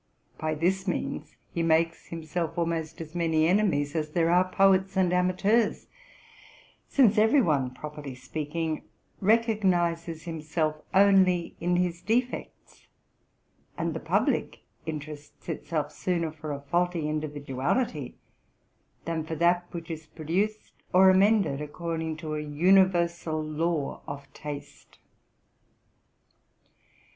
By this means he makes himself almost as many enemies as there are poets and amateurs ; since every one, properly speaking, recognizes himself only in his defects: and the public interests itself sooner for a faulty individuality than for that which is pro duced or amended according to a universal law of. taste.